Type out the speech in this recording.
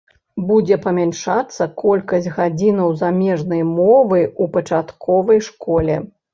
Будзе памяншацца колькасць гадзінаў замежнай мовы ў пачатковай школе.